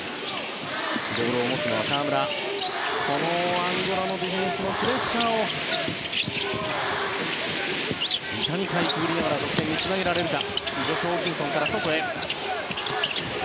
アンゴラのディフェンスのプレッシャーをいかにかいくぐりながら得点につなげられるか。